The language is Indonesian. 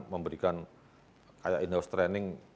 memberikan kayak in house training